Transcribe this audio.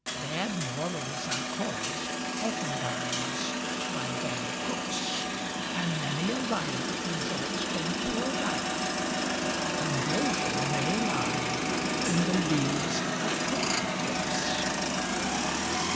Bad morals are caused, oftentimes by bad cooks, And many a riot results from poor diet Conversion may lie in the leaves of cook books.